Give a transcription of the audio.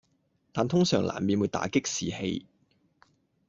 但通常難免會打擊士氣